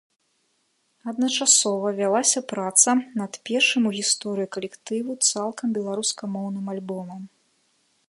Адначасова вялася праца над першым у гісторыі калектыву цалкам беларускамоўным альбомам.